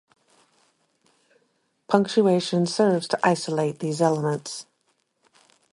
Punctuation serves to isolate these elements.